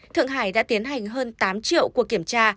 thượng hải đã tiến hành hơn tám triệu cuộc kiểm tra